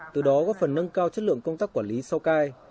từ đó góp phần nâng cao chất lượng công tác quản lý sau cai